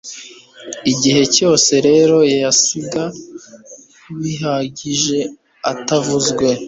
Igihe cyose rero yasiga bihagije atavuzwe